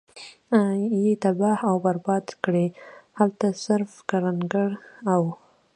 ئي تباه او برباد کړې!! هلته صرف کرکنړي او